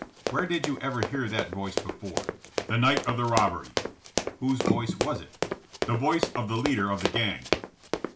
Where did you ever hear that voice before?" The night of the robbery." Whose voice was it?" *'The voice of the leader of the gang."